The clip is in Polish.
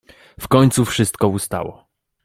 W końcu wszystko ustało.